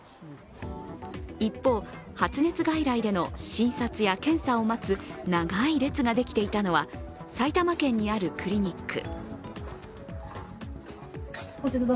一方、発熱外来での診察や検査を待つ長い列ができていたのは埼玉県にあるクリニック。